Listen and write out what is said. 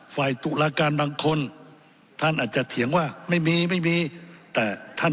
ตุลาการบางคนท่านอาจจะเถียงว่าไม่มีไม่มีแต่ท่าน